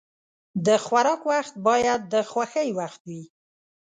د خوراک وخت باید د خوښۍ وخت وي.